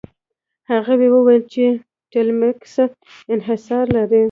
هغوی وویل چې ټیلمکس انحصار لري.